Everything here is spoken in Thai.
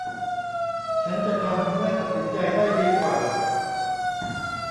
ฉันจะทำเมื่อตัดสินใจได้ดีกว่า